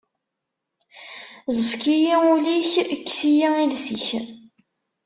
Ẓefk-iyi ul-ik, kkes-iyi iles-ik.